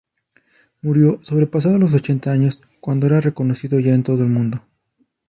Murió sobrepasados los ochenta años, cuando era reconocido ya en todo el mundo.